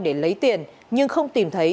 để lấy tiền nhưng không tìm thấy